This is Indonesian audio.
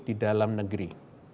di dalam negeri